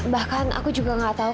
bahkan aku juga gak tahu